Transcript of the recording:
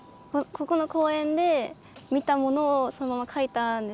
ここの公園で見たものをそのまま書いたんですけど。